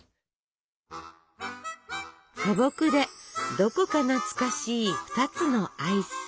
素朴でどこか懐かしい２つのアイス！